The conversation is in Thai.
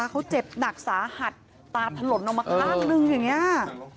เขาเจ็บหนักสาหัสตาถล่นออกมาข้างนึงอย่างนี้